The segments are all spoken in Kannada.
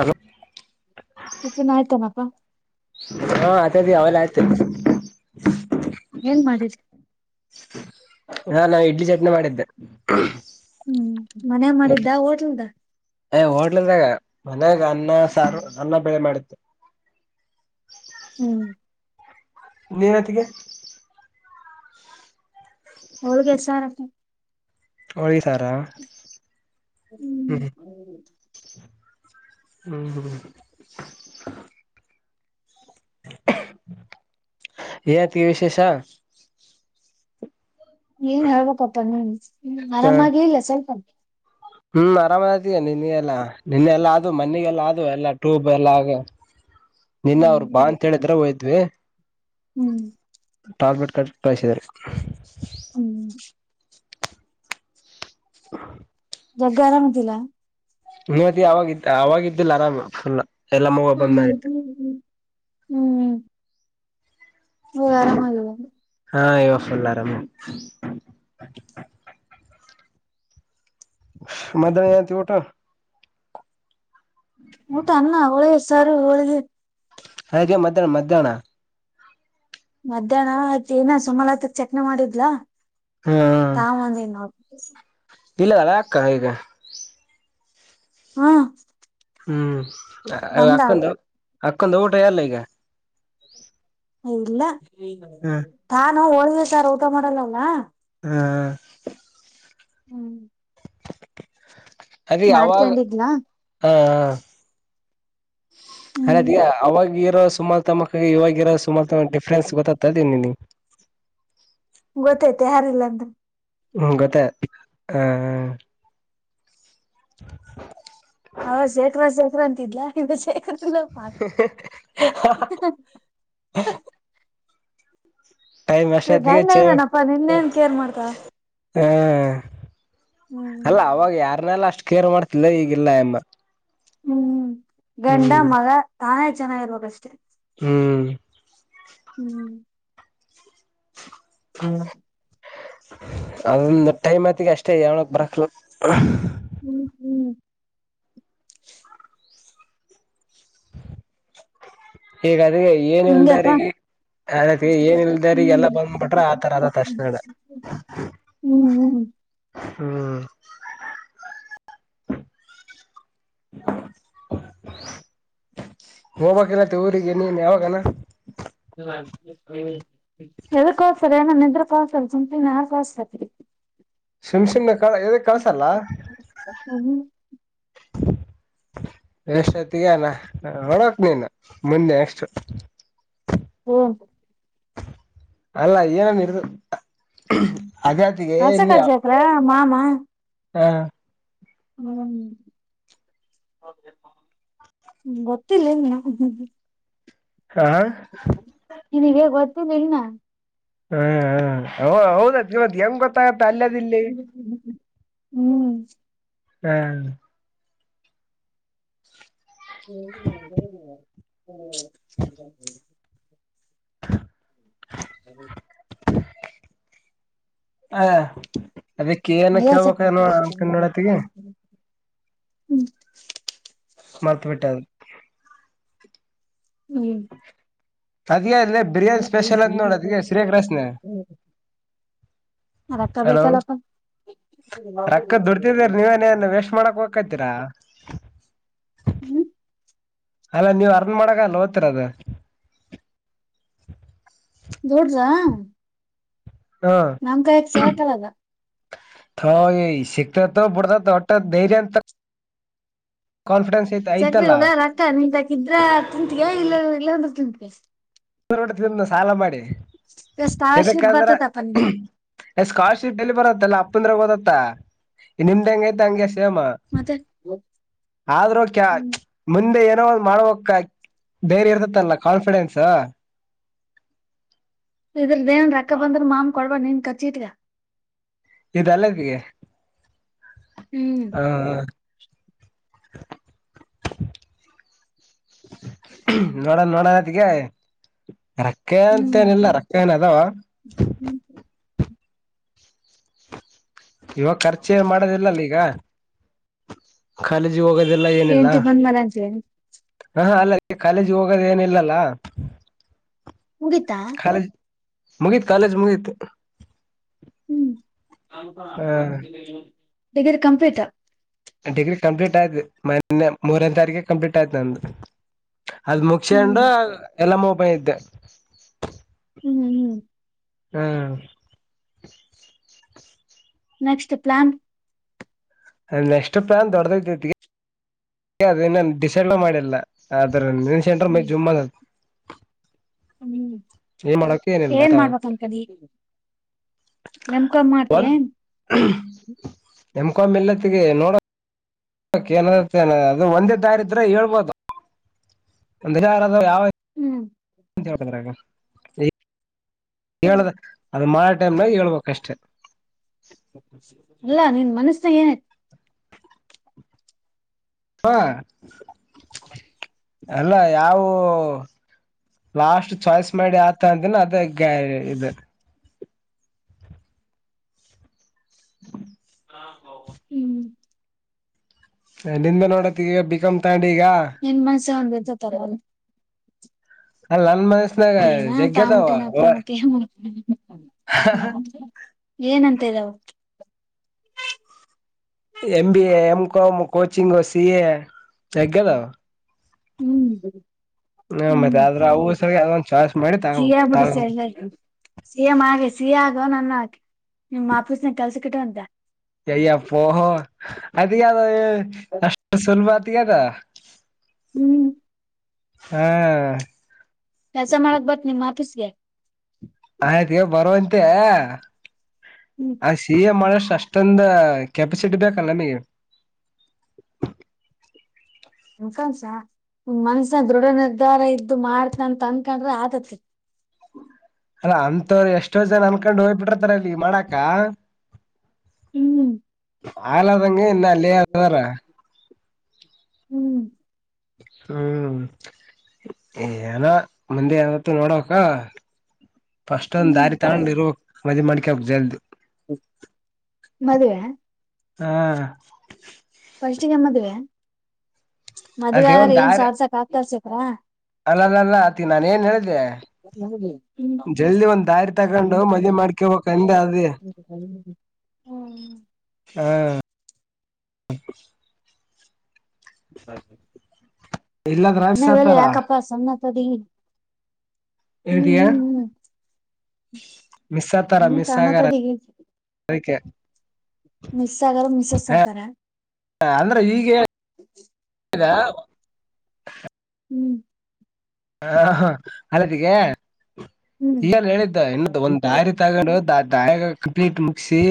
ಅಲೋ ಟಿಫಿನ್ ಆಯ್ತಮ್ಮಪ್ಪಾ ಹಾ ಆತದ ಅವಲ್ಲ ಆಯ್ತು ಏನ್ ಮಾಡಿರಿ ಹಾ ನಾ ಇಡ್ಲಿ ಚಟ್ನಿ ಮಾಡಿದ್ದೆ. ಹ್ಮ್ ಮನ್ಯಾಗ ಮಾಡಿದ್ದ ಹೋಟ್ಲ್ದ. ಏ ಹೋಟ್ಲಲ್ದಾಗ ಮನ್ಯಾಗ ಅನ್ನ ಸಾರು ಅನ್ನ ಬೆಳೆ ಮಾಡಿದೆ. ಹ್ಮ್. ನನತಿಗೆ. ಹೋಳಗೆ ಸಾರ್ ಹಾಕೊಂಡ. ಹೊಳಗಿ ಸಾರಾ ಹ್ಮ. ಹ್ಮ್ ಹ್ಮ್ ಹ್ಮ್ ಹ್ಮ. ಹೇಳ್ತಿ ವಿಶೇಷ. ಏನ್ ಹೇಳ್ಬೇಕಪ್ಪ ನೀ ಹಾ ಆರಾಮಾಗಿ ಇಲ್ಲ ಸ್ವಲ್ಪ ಅರೆ. ಹ್ಮ್ ಆರಾಮತಯ ನಿನ್ನ ಎಲ್ಲಾ ನಿನ್ನೆಲ್ಲಾ ಅದು ಮನೆಗೆಲ್ಲಾ ಅದು ಎಲ್ಲಾ ಟೂಬ್ ಎಲ್ಲ ಆದು. [inaudible] ನಿನ್ನ ಅವ್ರು ಬಾ ಅಂತ ಹೇಳಿದ್ರ ಹೋಗಿದ್ವಿ. ಹ್ಮ್. ಟ್ಯಾಬ್ಲೆಟ್ ಕೊಟ್ಟ ಕಳಿಸಿದರ. ಹ್ಮ್. [inaudible] ಜಗ್ಗ ಆರಾಮ್ ಅದಿಯಲಾ. ನೀವ್ತ್ ಅವಾಗ ಇದ ಅವಾಗ ಇದ್ದಿಲ್ಲ ಆರಾಮ ಫುಲ್ ಎಲ್ಲ ಮಗುವ ಬಂದ್ ಹ್ಮ್ ಆಯ್ತ. ಹ್ಮ್. ಹೋಗ ಆರಾಮಾಗಿದು. ಹಾ ಇವಾಗ ಫುಲ್ ಆರಾಮ. ಮತ್ತೆನ್ ಅಂತಿ ಊಟ. ಹ್ಮ. ಊಟ ಅನ್ನ ಹೋಳಿಗೆ ಸಾರು ಹೋಳಿಗೆ. ಹಾಗೆ ಮ್ಯಾಹ್ನ ಮಧ್ಯಾಹ್ನ. ಮಧ್ಯಾಹ್ನ [unintelligible] ಸುಮಲಾತ ಚಕ್ನ ಮಾಡಿದ್ಲಾ. ಹ್ಮ. ತಾ ಒಂದ. [unintelligible] ಇಲ್ಲ ಅಲ್ಲ ಅಕ್ಕಾ ಈಗ. ಹಾ. ಹ್ಮ್ ಬಂದಾಳ ಅಕ್ಕಂದ ಅಕ್ಕಂದು ಊಟ ಎಲ್ಲ ಈಗ. ಹೇ ಇಲ್ಲ ತಾನು ಹೋಳಿಗೆ ಸಾರ ಊಟ ಮಾಡಲ್ಲಲ್ಲ. ಹಾ. ಹ್ಮ್. ಅದ ಯಾವಾಗ ಮಾಡ್ಕೊಂಡಿದ್ಲಾ ಹಾ. ಅ ಅದ ಹ್ಮ್ ಅವವಾಗಿರೋ ಸುಮಲತಾ ಮಕ್ಕಳಿಗೆ ಇವಾಗಿರೋ ಸುಮಲತಾ. ಡಿಫರೆನ್ಸ್ ಗೊತ್ತಕ್ತದ ನಿಂಗ್. ಗೊತ್ತೈತ ಯಾರಿಲ್ಲ ಅಂದ್ರ. ಹ್ಮ ಗತ್ತ ಆ ಆ. [unintelligible] ಹೌ ಶೇಖ್ರ ಶೇಖ್ರಾ ಅಂತಿದ್ಲಾ ಇದು ಶೇಖ್ರಲ್ಲ ಪಾಕ್. ಟೈಮ್ ಅಷ್ಟೊತ್ತಿಗೆ ಗಂಡ ಚ ಇದ್ದನಪ್ಪಾ ನಿನ್ನೇನ್ ಕೇರ್ ಮಾಡ್ತಾಲ. ಏ ಹ್ಮ್ ಅಲ್ಲ ಅವಾಗ ಯಾರನೆಲ್ಲ ಅಷ್ಟ್ ಕೇರ್ ಮಾಡ್ತಿದ್ದ ಈಗಿಲ್ಲ ಆ ಎಮ್ಮ. ಹ್ಮ್ ಗಂಡ ಹ್ಮ್ ಮಗ ತಾನೇ ಚೆನ್ನಾಗಿರ್ಬೇಕಷ್ಟೆ. ಹ್ಮ್ ಹ್ಮ್ [inaudible] ಹ್ಮ [inaudible] ಅದಂದು ಟೈಮ್ತಿಗೆ ಅಷ್ಟೇ ಹೇಳಕ್ ಬರಕಿಲ್ಲ ಹ್ಮ್ ಹ್ಮ್ ಈಗ ಅದನೇ ಏನ್ಲ್ದಾರ ಹಂಗಪ್ಪಾ ಈಗ ಆತಿ ಏನ್ ಇಲ್ದಾರ ಎಲ್ಲ ಹ್ಮ್ ಬಂದಬಟ್ರ ಆತರ ಅದ ತಕ್ಷ ನಡ [unintelligible] ಹ್ಮ್ ಹ್ಮ್ ಹ್ಮ [inaudible] ಹೋಗ್ಬೇಕಕಲ್ಲತ್ತ ಊರಿಗೆ ನೀನ್ ಯಾವಾಗನಾ ಹಾ [unintelligible] ಎಲ್ ಕೋಸತರ್ ಏನ ನಿದ್ರ ಕಸ ಸುಪಿನ ಯಾ ಕಸ್ತತ್ರಿ [unintelligible] ಸುಮ್ ಸುಮ್ನೆ ಕ ಯದಿಕ್ ಕಳ್ಸಲ್ಲ ಹ್ಮ ಹ್ಮ ಎಷ್ಟತಿಗಾನ ನಡಕ್ ನೀನು ಮುಂದೆ ಎಷ್ಟು ಹ್ಮ ಅಲ್ಲ ಏನನ್ನ ಇರ್ತ್ ಹಾಗ [unintelligible] ಶೇಕರ ಮಾಮ ಹಾ ಹ್ಮ್್ಮ [inaudible] ಗೊತ್ತಿಲ್ಲ್ಮ ಹಾ ನಿನಗೆ ಗೊತ್ತಿಲ್ಲ ಇಲ್ನಾ ಹ್ಮ ಹ ಹೌದ ಹೌದ್ ಇವತ್ ಹೆಂಗ್ ಗೊತ್ತಾಗತ್ತ ಅಲ್ಲದ ಇಲ್ಲಿ ಇನ್ನ ಹ್ಮ್ ಹ [unintelligible] ಹೌ [inaudible] ಹ ಅದಕ್ಕೆ ಏನ ನೀಸತಿ ಕೇಳ್ಬೇಕ ನೋಡ ಅನ್ಕೊಂಡ ನೋಡತಿಗೆ ಹ್ಮ್ ಮರ್ತ್ ಬಿಟೆ ಹ್ಮ್ ಅದಗೆ ಅಲ್ಲ ಬಿರಿಯಾನಿ ಸ್ಪೆಷಲ್ ಅಂತ ನೋಡ ಅದಗೆ ಶ್ರೇಖ ಕ್ರಾಸ್ನಾಗ ರೊಕ್ಕ ಹಲೋ ಬೇಕಲ್ಲಪ್ಪ ರೊಕ್ಕದ ದುಡ್ತಿದ್ದೀರಿ ನೀವ್ ಏನ್ ಸುಮ್ನ್ ಏನ್ ವೇಸ್ಟ್ ಮಾಡಕ್ ಹೋಗ್ತೀರಾ ಹ್ಮ್ ಅಲ್ಲ ನೀವ್ ಅರ್ನ್ ಮಾಡಗ ಅಲ್ಲ ಓದ್ತಿರ ಅದು [unintelligible] ಹಾ ನಮ್ ಕಾಯಕ್ ಸೇಕಲ್ಲದ ತೊ ಸಿಕ್ತದ ಬಿಡ್ತದ ಹೊಟ್ಟ ಧೈರ್ಯ ಅಂತ ಕಾನ್ಫಿಡೆನ್ಸ್ ಐತ್ ಸಕ್ರ ಐತಲ್ಲ ಹೋಗ ರಕ್ಕ ನೀನ್ ಅತ್ರಇದ್ರೆ ತಿಂತೀಯಾ ಇಲ್ಲ ಇಲ್ಲಾಂದ್ರೆ ತಿಂತೀಯಾ ಟ ತಿಿಂದ ಸಾಲ ಮಾಡಿ ಈಗ [inaudible] ಸ್ಕಾಲರ್ಶಿಪ್ ಏನಕ್ಕಂದ್ರ ಬರ್ತತಪ್ಪ ನಿಗೆ ಸ್ಕಾಲರ್ಶಿಪ್ ಎಲ್ಲಿ ಬರತ್ತಲ್ಲ ಅಪ್ಪಂದ್ರೆ ಓದತ್ತ ನಿಮ್ದ ಹೆಂಗ ಐತೆ ಹಂಗೆ ಸೇಮ ಮತ್ತೆ ಆದ್ರೂ ಕ್ಯಾ ಮುಂದೆ ಏನೋ ಒಂದು ಮಾಡ್ವಕ್ ಧೈರ್ಯ ಇರ್ತತ್ತಲ್ಲ ಕಾನ್ಫಿಡೆನ್ಸ್ ಇದ್ರ ದೇನ್ ರೊಕ್ಕ ಬಂದ್ರ ಮಾಮನ್ ಕೊಡ್ಬಾರ ನೀನ್ ಕಾರ್ಚಿಗ್ ಇಟ್ಕ ಇದುಲ್ಲಗಿ. ಹ್ಮ್. ಹಾ ಹಾ. [inaudible] ನೋಡನ್ ನೋಡನತಿಗೆ. ರಕ್ಕ ಅಂತೆನಿಲ್ಲ ರೊಕ್ಕ ಏನ್ ಅದವ. ಹ್ಮ್. ಇವಾಗ್ ಖರ್ಚೆನ್ ಮಾಡದಿಲ್ಲಲಿಗ. ಕಾಲೇಜಿಗೋಗದಿಲ್ಲ ಏನಿಲ್ಲ. ಹೆಂಡ್ತಿ ಬಂದ್ಮೇಲೆ ಅಂತೀವಿ [inaudible] ಹಾ ಹಾ ಅಲ್ಲ ಕಾಲೇಜಿಗೋಗದೇನಿಲಲ್ಲ. ಮುಗಿತಾ. ಕಾಲೇಜ್ ಮುಗೀತ್ ಕಾಲೇಜ್ ಮುಗೀತು. ಹ್ಮ ಆ [inaudible] ಡಿಗ್ರಿ ಕಂಪ್ಲೀಟ್. ಡಿಗ್ರಿ ಕಂಪ್ಲೀಟ್ ಆಯ್ತು ಮನ್ನೆ ಮೂರ್ನೇ ತಾರೀಕೆ ಕಂಪ್ಲೀಟ್ ಆಯ್ತು ನಂದು. ಅಲ್ ಹ್ಮ್ ಮುಕ್ಷೇಂಡು ಎಲ್ಲಮ್ಮಗ್ ಬಂದಿದೆ. ಹ್ಮ್. ಹ್ಮ್ ಹಾ. Next plan. ನೆಕ್ಸ್ಟ್ ಪ್ಲಾನ್ ದೊಡ್ದೈ ತತಿ. ಅದನ್ನ ಡಿಸೈಡೆ ಮಾಡಿಲ್ಲ ಆದ್ರ ನೆನ್ಸೆಂಡ್ರೆ ಮೈ ಹ್ಮ್ ಜುಮ್ ಅಂತತಿ. ಹ್ಮ್ ಏನಿಲ್ಲ ಏನ್ ಮಾಡ್ಬೇಕಂತದಿ. ನೆಂ ಕಂ ಮಾಡ್ತಯ ಏನ್. ಎಂ ಕೊಂ ಇಲ್ಲ ತಗಿ ನೋಡನ್. [unintelligible] ಅದು ಒಂದೇ ದರಿದ್ರೆ ಹೇಳ್ಬೋದು ಅಂದ್ರೆ ಯಾರದಾರ್ ಯಾವ್. ಹ್ಮ್. ಮುಂಚೆಳ್ಕದ್ರಾಗ. ಹೇಳ್ದೆ ಅದು ಮಾಟದ್ಮಗ್ ಹೇಳ್ಬೇಕಷ್ಟೆ. ಅಲ್ಲಾ ನಿನ್ ಮನಸ್ಸನಾಗೆನಯ್ತ್. ಹಾ. [inaudible] ಅಲ್ಲ ನಾವು. ಲಾಸ್ಟ್ ಚಾಯ್ಸ್ ಮಾಡಿ ಯಾದ್ ತಗಂತಿನ ಅದೇ ಗಾ ಇದು. [inaudible] ಹ್ಮ್. ನಿಂದೆ ನೋಡತಿಗ ಬಿಕಂ ತಗಂಡಿ ಈಗ. ನಿನ್ ಮನ್ಸ ಒಂದಿರ್ತತಲ. ಅಲ್ಲ ನನ್ ಮನ್ಸ್. ಏನಾ ತಾಮಿಟಿನಪ ಮತ್ತೇ ಏನ್. [inaudible] ಏನಂತೆದವ್. M B A M com coaching C A ಜಗ್ಗದವು. ಹ್ಮ್. ಹ್ಮ ಮತ್ತೆ ಹ್ಮ್ ಆದ್ರ ಅವು [unintelligible] ಅದ್ ಚಾಯ್ಸ್ ಮಾಡಿ. [unintelligible] ಸಿ ಎಮ್ ಹಾಗ ಸಿ ಎ ಆಗೋ ನನ್ನ ನಿಮ್ ಅಫೀಸ್ನಗ್ ಕೆಲ್ಸುಕ್ ಇಟ್ಕಂತಿಯ. ಯೈ ಯಪ್ಪೋ ಅದಿಕೆದದು ಅದಷ್ಟು ಸುಲ್ಬಾ ಅತ್ಗೆದು. ಹ್ಮ್. ಹಾ. ಕೆಲ್ಸ ಮಾಡಕ್ ಬರ್ತಾ ನಿಮ್ಮ್ ಆಪೀಸ್ಗೆ ಆಯ್ತ ಗೇ ಬರುವಂತೆ ಹ್ಮ್ ಆ ಸಿಹ ಮಾಡಷ್ಟ ಅಷ್ಟ ತಂದ ಕೆಪಾಸಿಟಿ ಬೇಕಲ್ಲ ನಿಮಗೆ ನಿನ್ಕ ನೀನ್ ಮನ್ಸನ ದೃಢ ನಿರ್ಧಾರ ಇತ್ತು ಮಾಡ್ತ ಅಂತ ಅನ್ಕೊಂಡ್ರೆ ಆತಿ ಅಲ್ಲ ಅಂತವರು ಎಷ್ಟೋ ಜನ ಅನ್ಕೊಂಡು ಹೋಗ್ಬಿಟರ್ತಾರ ಅಲ್ಲಿ ಮಾಡಾಕ ಹ್ಮ್ ಆಳಾದಂಗ ಇನ್ನಲ್ಲೇರ ಹ್ಮ್ ಹ್ಮ್ ಏನ ಮಂದೆ ಏವತ್ತು ನೋಡಕ ಫಸ್ಟ್ ಒಂದ್ ಹ್ಮ್ ದಾರಿ ತಗೊಂಡ್ ಇರಕ್ ಮದುವೇ ಮಾಡ್ಕೋಗಕ್ ಜಲ್ದಿ ಮದುವೇ, ಹಾ ಫಸ್ಟ್ಗೆ ಮದ್ವೆ ಮದ್ವೆ ಅದೇ ಆದ್ರೆ ಏನ್ ಸಾದ್ಸಕ್ ಆಕ್ತಾದೇ ಶೇಕ್ರ ಅಲ್ಲ ಅಲ್ಲ ಅಲ್ಲಾ ಆತಿ ನಾನ ಏನ್ ಹೇಳಿದ್ದೆ ್ಮ [inaudible] ತಗೊಂಡು ಮದ್ವಿ ಮಾಡ್ಕೊಬೇಕ್ ಅಂದೆ ಅದೇ ಹ್ಮ್ ಹ್ಮ ಇಲ್ಲದ್ರ ಇನ್ ಮಿಸ್ ಅವೆಲ್ಲ ಆತಾರ ಯಾಕಪ್ಪ ಸುಮ್ನೆ ತಡಿ ಎತಿಯಾ ಮಿಸಾ ಆತರ ಹ್ಮ್ ಮಿಸ್ ಆಗಾರ ಸಣ್ಣತದಿ ಹಕ್ಕೆ ಮಿಸ್ ಆಗವ್ರು ಮಿಸ್ಸ್ತಾರ ಅಂದ್ರೆ ಈ [unintelligible] ಹ್ಮ್ ಹ ಹ ಅಲತಿಗೆ ಹ್ಮ್ ಈಗ ಹೇಳಿದ್ದ ಇನ್ನು ಒಂದು ಡರಿ ತಗೊಂಡು ಡಾರಿ ಕಂಪ್ಲೀಟ್ ಮುಗಿಸಿ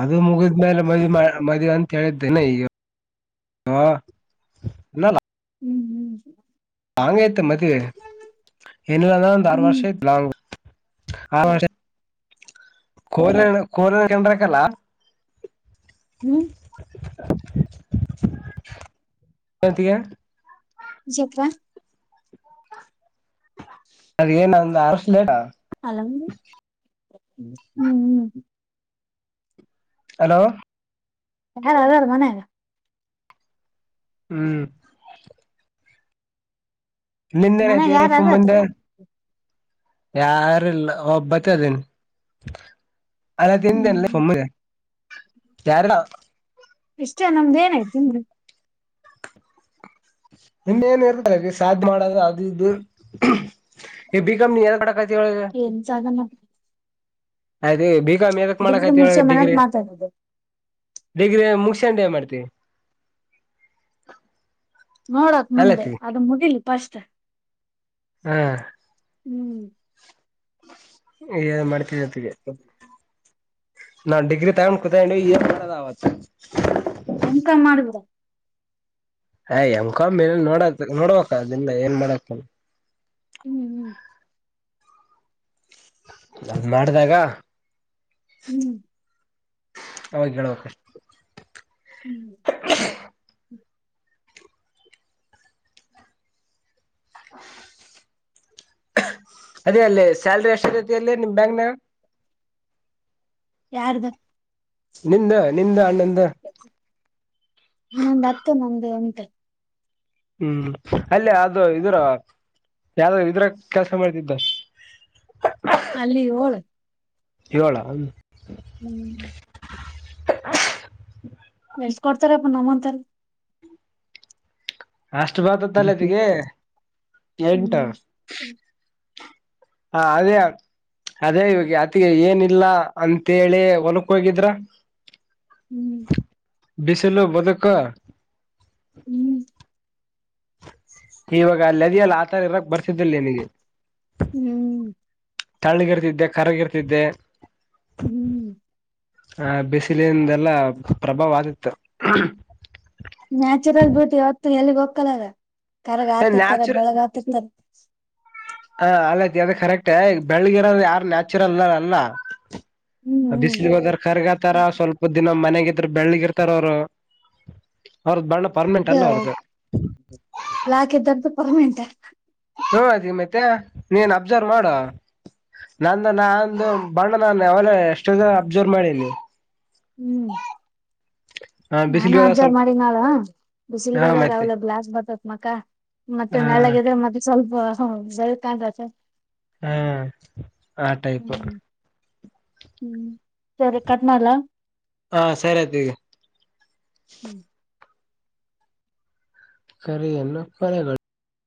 ಅದು ಮುಗ ೇಲೆ [unintelligible] ಮದ್ ಮಾಡ ಮದುವ ಅಂತ ಹೇಳಿದ್ದೇನೆಲ್ಲ ಹ್ಮ್ ಹ್ಮ್ ಹ್ಮ ಲಾಂಗ ಐತೆ ಮದವೆ ಎನಲ್ಲ ಹ್ಮ್ ಆರು ವರ್ಷ ಹ್ಮ್ ಲಾಂಗ ಆ ವರ್ಷ ಕೋಲೆ ಕೋಲ ಕಂಡ್ರಕಲ್ಲ ಹ್ಮ್ ಆತಗೆ ಜಪ್ಪಾ ಅತ್ಗೆ [unintelligible] ಏನಂದ ಅಲಡ ಅಲ ಹ್ಮ್ ಹ್ಮ್ ಹಲೋ ಯಾರ್ ಅದ್ರ ಮನೆಯಾಗ ಹ್ಮ್ ನಿಂದೆನ [unintelligible] ಮನ್ಯಾಗ ಐತೀ ಯಾರ ರೀು ಅದಾರ ಮುಂದೆ ಯಾರಲ್ಲ ಒಬ್ಬತ್ತು ಅದೇನು ಅಲ್ಲ ತಿಂತೇನೆ ಹ್ಮ್ ಸುಮ್ಮ [unintelligible] ಯಾರ [unintelligible] ಇಷ್ಟೇ ನಮ್ದ ಏನಾಯ್ತತಿ ಇನ್ನ ಏನ್ ಇರ್ತ ಸಾಧ್ಯ್ ಮಾಡ ಅದು ಇದು ಈ ಬಿಕಂ್ [unintelligible] ನೀ ಎ ಕಡ ಏನ್ ಜಾಗ ಆಯ್ತು ಬಿಕಾಮ್ ಎದಕ್ ಮಾಡಕ್ ಡಿಗ್ರಿ ಆಯ್ತಿ ಒಳಗ ಮುಗಸೆ ಮನತ್ ಡಿಗ್ರಿ ಮಾತಾಡ ದೇಗ್ರ ಮುಗಸಂಡೆ ಮಾಡ್ತೀವಿ ನೋಡಕ್ ಮುಂದೆ ಅಲ್ಲತಿ ಅದು ಮುಗಿಲಿ ಪಸ್ಟ್. ಹಾ. ಹ್ಮ್. ಏನ್ ಮಾಡ್ತೀರಿ ಅತ್ತಿಗೆ. ನಾ ಡಿಗ್ರಿ ತೊಗೊಂಡ ಕೂತ್ಕೊಂಡೇನಿ ಏನ್ ಮಾಡೋದ್ ಆವ. ಎಂ ಕಾಮ್ ಮಾಡಿಬಿಡ್. ಏ ಎಮ್ ಕಾಮ್ ನೋಡದ ನೋಡನ ಅಕ್ಕಾ ಅದಿಂದ ಏನ್ ಮಾಡಕ್. ಹ್ಮ್ ಹ್ಮ್. ಮಾಡಿದಾಗ. ಹ್ಮ್. ಅವಾಗ ಹೇಳುವಕಷ್ಟೆ. ಹ್ಮ್. [unintelligible] ಅದೇ ಅಲ್ಲಿ ಸ್ಯಾಲ್ರಿ ಎಷ್ಟ ಸಿಗ್ತೇತಿ ಅಲ್ಲಿ ನಿಮ್ ಬ್ಯಾಂಕ್ನ್ಯಾಗ. ಯಾರ್ದ. ನಿಮ್ದ ನಿಂದ ಅಣ್ಣಂದ. ನಂದ ದತ್ತ ಗೊಂಬೆ ಅಂತ. ಹ್ಮ್ ಅಲ್ಲೇ ಅದು ಇದ್ರ ಯಾವ್ದ ಇದ್ರ ಕೆಲಸ ಮಾಡ್ತಿದ್ದ. ಅಲ್ಲಿ ಹೋಳ. ಯೋಲಾ. ಹ್ಮ್ಮ್. ಎಷ್ಟ ಕೊಡ್ತಾರೆಪ್ಪ ನಮ್ಮಂತ ಅವ್ರಿಗ. ಅಷ್ಟು ಬತದಲ್ಲ ಅತ್ತಿಗೆ ಎಂಟ. ಹ್ಮ. ಹಾ ಅದೇ. ಅದೇ ಇವಾಗ ಅತಿಗೆ ಏನಿಲ್ಲ ಅಂತೇಳಿ ಹೊಲಕ್ ಹೋಗಿದ್ರ. ಹ್ಮ್ ಬಿಸಿಲು ಬದಕ. ಹ್ಮ್. [inaudible] ಇವಾಗ ಅದಿಯಲ್ಲಿ ಆತರ ಇರಕ್ ಬರ್ತಿದ್ದಲ್ಲಿ ನಿನಗೆ. ಹ್ಮ್ ತಳ್ಳಿಗಿರ್ತಿದ್ದೆ ಕರ್ರಗಿರ್ತಿದ್ದೆ. ಹ್ಮ್. ಆ ಬಿಸಿಲಿಂದೆಲ್ಲಾ ಪ್ರಭಾವ ಆದಿತ್ತು. ನ್ಯಾಚುರಲ್ ಬ್ಯೂಟಿ ಅವತ್ತು ಎಲ್ಲಿಗ್ ಹೋಗಕ್ಕಲ್ಲಾರ ಕರಗ ಆತಿರ್ತಾರ ನ್ಯಾಚುರ ಬಳಗ್ ಆತಿರ್ತಾರ. ಹಾ ಅತ್ತಿಗಿ ಅದ ಕರೆಕ್ಟ್ ಬೆಳಗಿರ ಯಾರು ನ್ಯಾಚುರಲ್ ಅಲ್ಲ. ಹ್ಮ್ ಬಿಸಿಲಿಗೆ ಹ್ಮ್ ಹೋದಾರ ಕರ್ರರ್ಗಾತಾರ ಸ್ವಲ್ಪ ದಿನ ಮನೆಗಿದ್ರ ಬೆಳ್ಳಿಗಿರ್ತಾರ ಅವ್ರು. ಅವ್ರದ ಬಣ್ಣಪ್ಪ. ಇದು ಬ್ಲಾಕ್ ಇದ್ದದ್ದು ಪರ್ಮೆಂಟ. ಹ್ಮ ಅದ ಮತ್ತೆ ನೀನ್ ಅಬ್ಸರ್ವ್ ಮಾಡು. ನಂದ ನಂದು ಬಣ್ಣ ನಾನು ಅವಾಗನ ಎಷ್ಟೊ ಅಬ್ಸರ್ವ್ ಮಾಡೀನಿ. ಹ್ಮ್. ಹ ನಾನ ಬಿಸಿಲಿಗೆಲ್ಲ ಅಬ್ಜಾರ್ ಸ್ವಲ್ಪ ಮಾಡಿ ನಾಳ ಬಿಸಿಲ್ ಹಾ ಹೋದಾಗ ಮತ್ತೆ ಅವಲ ಗ್ಲಾಸ್ ಬರ್ತೇತಿ ಮುಖಾ. ಮತ್ತೆ ನೆಲ್ಲಾ ಹ ಗಿದ್ರೆ ಮತ್ತೆ ಸ್ವಲ್ಪ ಬೆಲ್ಲ ಕಾಂತೇತಿ. ಹಾ ಆ ಟೈಪ್. ಹ್ಮ್ ಹ್ಮ್ ಸರಿ ಕಟ ಮಾಡ್ಲಾ. ಹಾ ಸರಿಯ್ತ ಈಗೆ ಹ್ಮ್ ಕರೆಯನ್ನ ಕೊರೆಗಳು